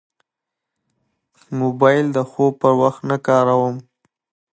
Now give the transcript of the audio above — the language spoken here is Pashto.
موبایل د خوب پر وخت نه کاروم.